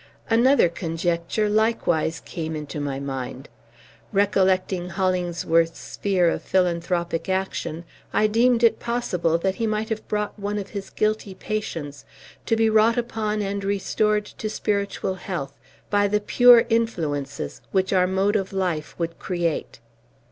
Another conjecture likewise came into my mind. Recollecting Hollingsworth's sphere of philanthropic action, I deemed it possible that he might have brought one of his guilty patients, to be wrought upon and restored to spiritual health by the pure influences which our mode of life would create.